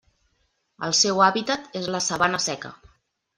El seu hàbitat és la sabana seca.